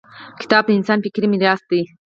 • کتاب د انسان فکري میراث دی.